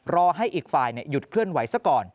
รอให้อีกฝ่ายหยุดเคลื่อนไหวซะก่อน